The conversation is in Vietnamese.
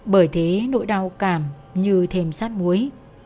bởi thế nỗi đau cảm như thêm sát muối